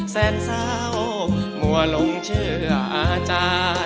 แสนเศร้ามัวหลงเชื่ออาจารย์